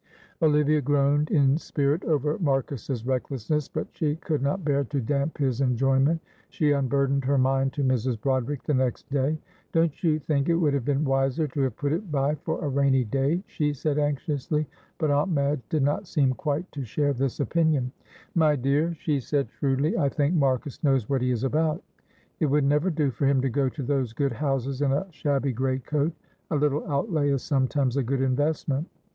Olivia groaned in spirit over Marcus's recklessness, but she could not bear to damp his enjoyment. She unburdened her mind to Mrs. Broderick the next day. "Don't you think it would have been wiser to have put it by for a rainy day?" she said, anxiously. But Aunt Madge did not seem quite to share this opinion. "My dear," she said, shrewdly, "I think Marcus knows what he is about; it would never do for him to go to those good houses in a shabby greatcoat. A little outlay is sometimes a good investment."